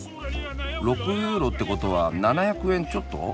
６ユーロってことは７００円ちょっと？